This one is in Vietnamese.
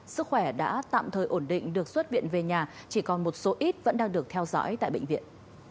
sức khỏe đã tạm thời ổn định được xuất viện về nhà chỉ còn một số ít vẫn đang được theo dõi tại bệnh viện